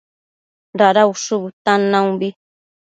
Dada ushu bëtan naumbi